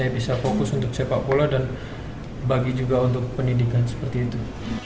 bisa fokus untuk sepak bola dan bagi juga untuk pendidikan seperti itu